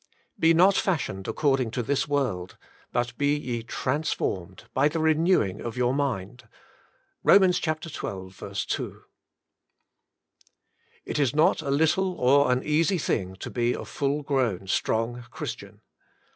Be not fashioned according to this world ; but be ye transformed by the renewing of your mind."— BoM. xii. 2. It is not a little or an easy thing to be a full grown, strong Christian.